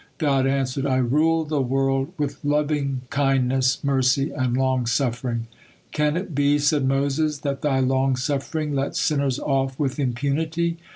God answered: "I rule the world with loving kindness, mercy, and long suffering." "Can it be," said Moses, "that Thy long suffering lets sinners off with impunity?"